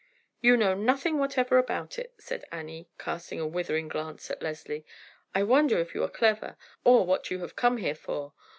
"You know nothing whatever about it," said Annie, casting a withering glance at Leslie. "I wonder if you are clever or what you have come here for.